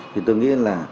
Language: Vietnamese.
thì tôi nghĩ là